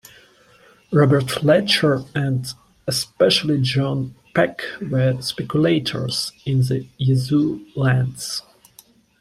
Robert Fletcher and especially John Peck were speculators in the Yazoo lands.